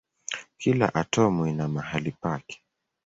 Kila atomu ina mahali pake.